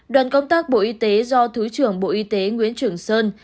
đoàn công tác bộ y tế do thứ trưởng bộ y tế nguyễn trường sơn